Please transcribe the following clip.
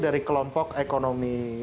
dari kelompok ekonomi